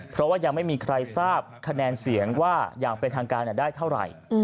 เพราะว่ายังไม่มีใครทราบคะแนนเสียงว่าอย่างเป็นทางการได้เท่าไหร่